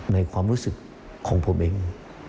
ในความรู้สึกของผมเอง